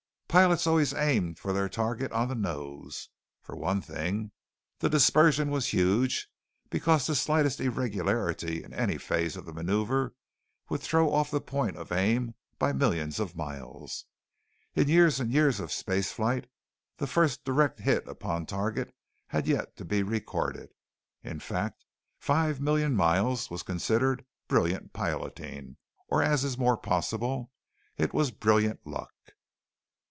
Pilots always aimed for their target on the nose. For one thing, the dispersion was huge because the slightest irregularity in any phase of the maneuver would throw off the point of aim by millions of miles. In years and years of spaceflight, the first direct hit upon target had yet to be recorded. In fact, five million miles was considered brilliant piloting or as is more possible, it was brilliant luck!